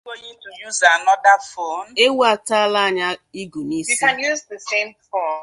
ewu ataala anyị igu n’isi!